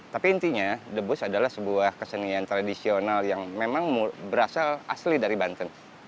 tapi intinya debus adalah sebuah kesenian tradisional yang memang berasal asli dari banten